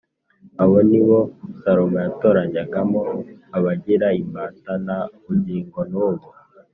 abo ni bo Salomo yatoranyagamo abagira imbata na bugingo n’ubu